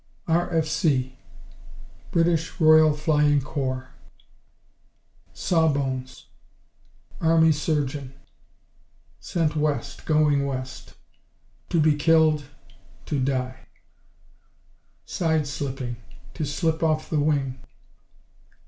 R.F.C. British Royal Flying Corps. Saw bones Army surgeon. Sent west, Going west To be killed, to die. Side slipping To slip off the wing.